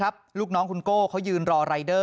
อารมณ์ไม่ดีเพราะว่าอะไรฮะ